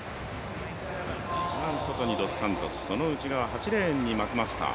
一番外にドスサントスその内側、８レーンにマクマスター。